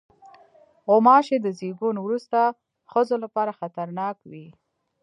غوماشې د زیږون وروسته ښځو لپاره خطرناک وي.